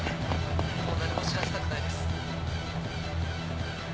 もう誰も死なせたくないです。